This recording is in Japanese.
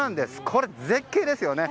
これ、絶景ですよね。